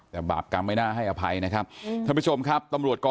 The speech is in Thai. แต่บาปกรรมไม่น่าให้อภัยนะครับ